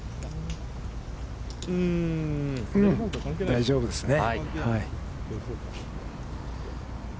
大丈夫ですね。